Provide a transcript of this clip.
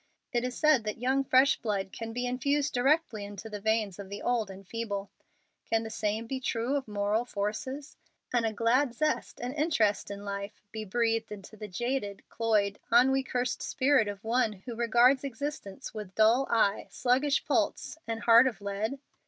It is said that young fresh blood can be infused directly into the veins of the old and feeble. Can the same be true of moral forces, and a glad zest and interest in life be breathed into the jaded, cloyed, ennui cursed spirit of one who regards existence with dull eye, sluggish pulse, and heart of lead?